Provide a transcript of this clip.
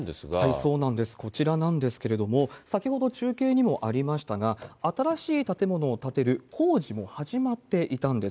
そうなんです、こちらなんですけれども、先ほど中継にもありましたが、新しい建物を建てる工事も始まっていたんです。